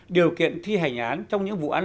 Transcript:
điều kiện thi hành án trong những vụ án